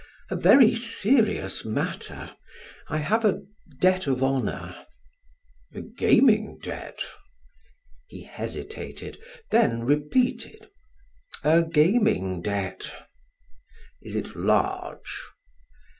"A very serious matter. I have a debt of honor." "A gaming debt?" He hesitated, then repeated: "A gaming debt." "Is it large?"